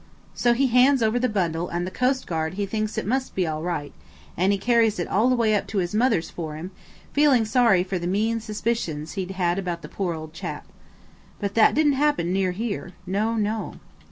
"So he hands over the bundle, and the coastguard he thinks it must be all right, and he carries it all the way up to his mother's for him, feeling sorry for the mean suspicions he'd had about the poor old chap. But that didn't happen near here. No, no."